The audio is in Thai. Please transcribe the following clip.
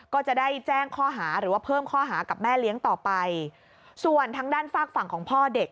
ก็จะได้แจ้งข้อหาหรือว่าเพิ่มข้อหากับแม่เลี้ยงต่อไปส่วนทางด้านฝากฝั่งของพ่อเด็ก